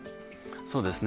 そうですね。